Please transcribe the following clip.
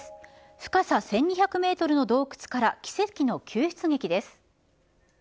深さ１２００メートルの洞窟から、奇跡の救出劇です。